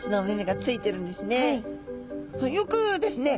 よくですね